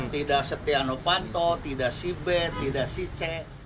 tidak setenov anto tidak si b tidak si c